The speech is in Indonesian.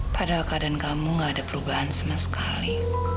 padahal keadaan kamu gak ada perubahan sama sekali